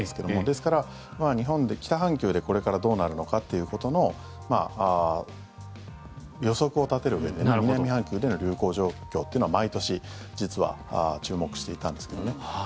ですから、北半球でこれからどうなるかということの予測を立てるうえで南半球での流行状況というのは毎年実は注目していたんですけどね。